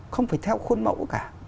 không phải theo khuôn mẫu cả